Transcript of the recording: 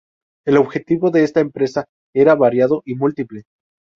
El objetivo de esta empresa era variado y múltiple.